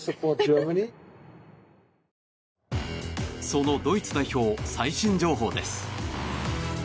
そのドイツ代表最新情報です。